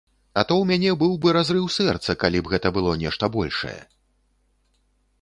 А то ў мяне быў бы разрыў сэрца, калі б гэта было нешта большае.